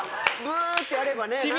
ブーンってやればね。